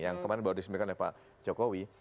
yang kemarin baru disampaikan oleh pak jokowi